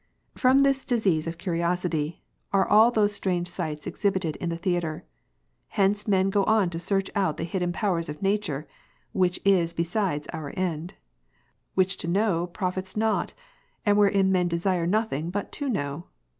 From this disease of curiosity, are all those strange sights exhibited in the theatre. Hence men go on to search out the hidden powers of nature, (which is besides our end,) which to know profits not, and wherein men desire nothing but to know'^.